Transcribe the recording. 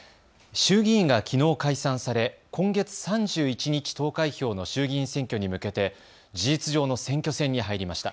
衆議院がきのう解散され今月３１日投開票の衆議院選挙に向けて事実上の選挙戦に入りました。